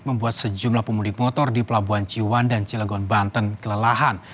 membuat sejumlah pemudik motor di pelabuhan ciwan dan cilegon banten kelelahan